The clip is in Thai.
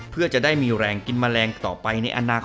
เพื่อจะได้มีแรงกินแมลงต่อไปในอนาคต